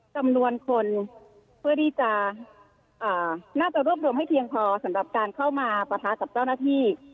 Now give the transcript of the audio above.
จำนวนคนเพื่อที่จะน่าจะรวบรวมให้เพียงพอสำหรับการเข้ามาปะทะกับเจ้าหน้าที่